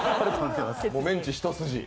メンチ一筋？